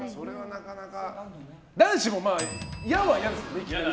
男子も嫌は嫌ですよね。